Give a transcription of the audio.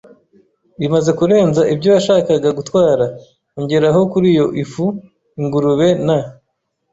bimaze kurenza ibyo yashakaga gutwara. Ongeraho kuriyo ifu, ingurube, na